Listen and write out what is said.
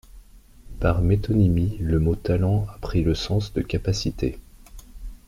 Par métonymie, le mot talent a pris le sens de capacité.